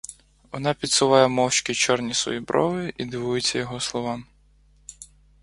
Вона підсуває мовчки чорні свої брови і дивується його словам.